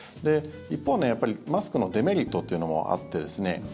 一方のマスクのデメリットというのもあってですね